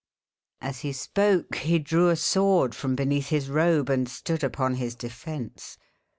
As he spoke, he drew a sword from beneath his robe, and stood upon his defence.